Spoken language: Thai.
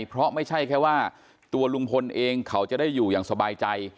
เพราะไม่ใช่แค่ว่าตัวลุงพลเองเขาจะได้อยู่อย่างสบายใจ